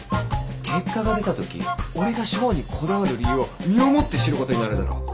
結果が出たとき俺が賞にこだわる理由を身をもって知ることになるだろう。